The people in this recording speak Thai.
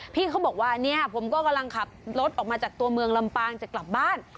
พี่เขาบอกว่าเนี่ยผมก็กำลังขับรถออกมาจากตัวเมืองลำปางจะกลับบ้าน